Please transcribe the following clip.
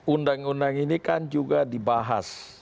undang undang ini kan juga dibahas